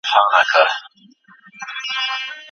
که زده کوونکي تمرین وکړي، مهارتونه کمزوري نه کېږي.